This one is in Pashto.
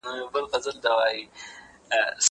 زه اوږده وخت ليکنه کوم!